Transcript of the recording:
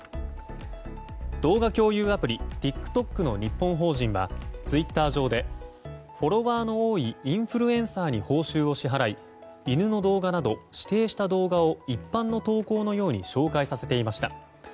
動画共有アプリＴｉｋＴｏｋの日本法人はツイッター上でフォロワーの多いインフルエンサーに報酬を支払い、犬の動画など指定した動画を一般の投稿のように紹介させていました。